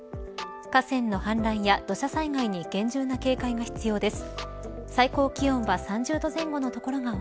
河川の氾濫や土砂災害に厳重な警戒が必要です。